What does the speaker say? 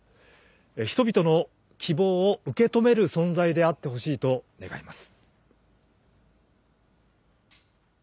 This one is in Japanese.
人々の希望を受け止める存在であってほしいと願います。